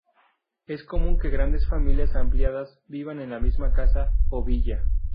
Es común que grandes familias ampliadas vivan en la misma casa, o villa.